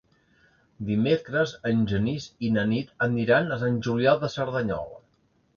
Dimecres en Genís i na Nit aniran a Sant Julià de Cerdanyola.